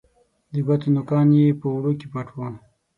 د ګوتو نوکان یې په اوړو کې پټ وه